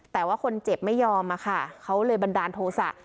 แต่ว่าคนเจ็บไม่ยอมอะค่ะเขาเลยบันดาลโทษะ